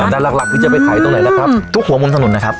แล้วด้านหลักหลักที่จะไปขายตรงไหนล่ะครับทุกหัวมุมสนุนนะครับ